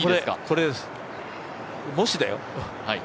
もしだよ？